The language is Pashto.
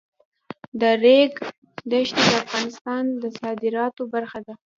د ریګ دښتې د افغانستان د صادراتو برخه ده.